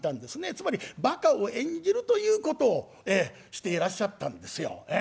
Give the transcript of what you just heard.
つまりバカを演じるということをしていらっしゃったんですよええ。